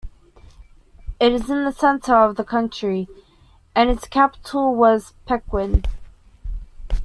It is in the centre of the country, and its capital was Peqin.